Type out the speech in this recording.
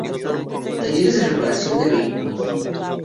Talleres de reparación de vehículos.